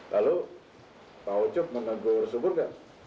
lalu pak ucup menegur subur kak